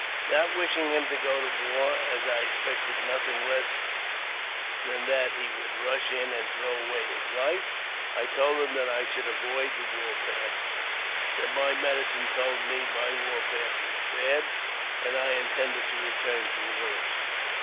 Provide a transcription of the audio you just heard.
Not wishing him to go to war, as I expected nothing less than that he would rush in and throw away his life, I told him that I should avoid the war path, that my medicine told me my war path was bad, and I intended to return to the village.